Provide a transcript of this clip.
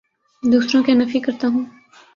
دوسروں کے نفی کرتا ہوں